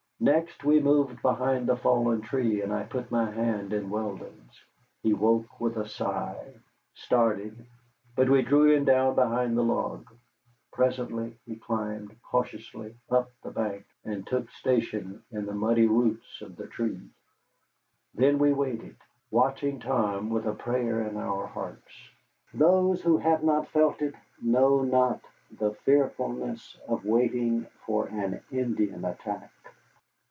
Next we moved behind the fallen tree, and I put my hand in Weldon's. He woke with a sigh, started, but we drew him down behind the log. Presently he climbed cautiously up the bank and took station in the muddy roots of the tree. Then we waited, watching Tom with a prayer in our hearts. Those who have not felt it know not the fearfulness of waiting for an Indian attack.